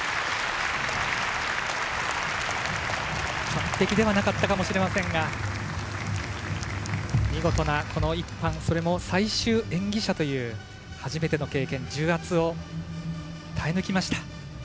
完璧ではなかったかもしれませんが見事な、１班それも最終演技者という初めての経験重圧を耐え抜きました。